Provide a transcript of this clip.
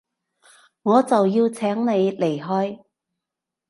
我就要請你離開